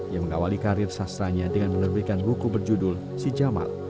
ia mengawali karir sastranya dengan menerbitkan buku berjudul sijamal